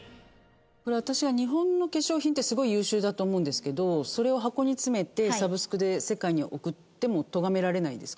私は日本の化粧品ってすごい優秀だと思うんですけどそれを箱に詰めてサブスクで世界に送ってもとがめられないんですか？